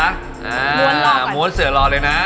อ่าม้วนเสือรอเลยนะ